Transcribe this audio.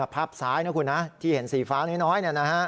ภาพซ้ายที่เห็นสีฟ้าน้อย